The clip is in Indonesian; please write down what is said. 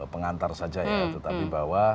pengantar saja ya tetapi bahwa